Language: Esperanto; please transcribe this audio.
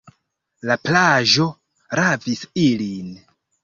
La plaĝo ravis ilin.